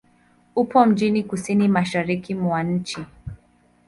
Upo mjini kusini-mashariki mwa nchi.